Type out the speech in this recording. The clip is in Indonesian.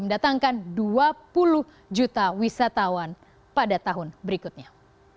mendatangkan dua puluh juta wisatawan pada tahun berikutnya